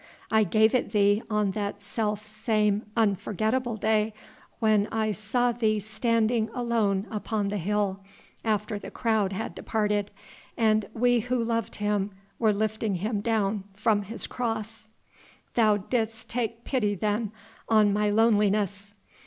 I gave it thee on that self same unforgettable day when I saw thee standing alone upon the hill after the crowd had departed and we who loved Him were lifting Him down from His Cross." "Thou didst take pity then on my loneliness."